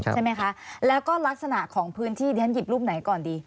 ใช่ไหมคะแล้วก็ลักษณะของพื้นที่เดี๋ยวฉันหยิบรูปไหนก่อนดี